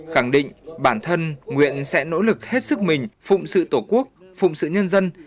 khẳng định bản thân nguyện sẽ nỗ lực hết sức mình phụng sự tổ quốc phụng sự nhân dân